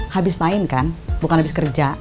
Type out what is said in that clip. habis main kan bukan habis kerja